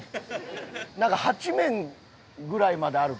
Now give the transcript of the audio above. なんか８面ぐらいまであるで。